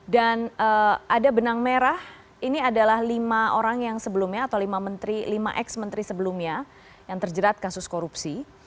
dan ada benang merah ini adalah lima orang yang sebelumnya atau lima ex menteri sebelumnya yang terjerat kasus korupsi